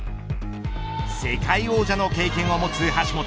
世界王者の経験を持つ橋本。